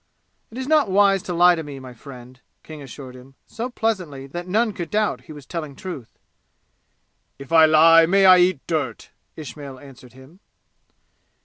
"It is not wise to lie to me, my friend," King assured him, so pleasantly that none could doubt he was telling truth. "If I lie may I eat dirt!" Ismail answered him.